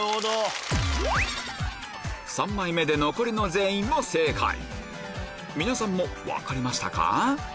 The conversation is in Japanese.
３枚目で残りの全員も正解皆さんも分かりましたか？